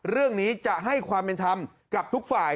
เรื่องนี้จะให้ความเป็นธรรมกับทุกฝ่าย